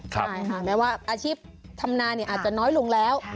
ใช่ค่ะแม้ว่าอาชีพธรรมนาอาจจะน้อยลงแล้ว